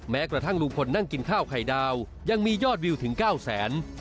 แม้กระทั่งลุงพลนั่งกินข้าวไข่ดาวยังมียอดวิวถึง๙แสน